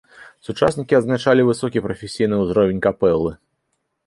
Сучаснікі адзначалі высокі прафесійны ўзровень капэлы.